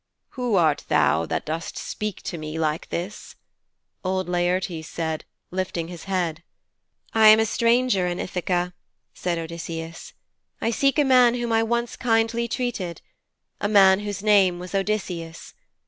'Who art thou that dost speak to me like this?' old Laertes said, lifting his head. 'I am a stranger in Ithaka,' said Odysseus. 'I seek a man whom I once kindly treated a man whose name was Odysseus.